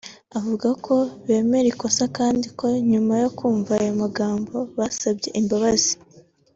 avuga ko bemera ikosa kandi ko nyuma yo kumva aya magambo basabye imbabazi